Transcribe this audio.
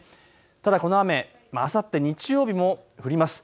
ただこの雨あさって日曜日も降ります。